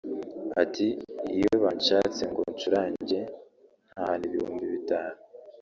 Ati “Iyo banshatse ngo ncurange ntahana ibihumbi bitanu